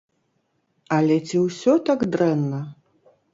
Але ці ўсё так дрэнна?